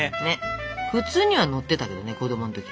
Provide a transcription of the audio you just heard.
普通には乗ってたけどね子供の時。